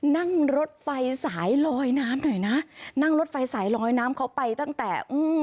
นั่งรถไฟสายลอยน้ำหน่อยนะนั่งรถไฟสายลอยน้ำเขาไปตั้งแต่อืม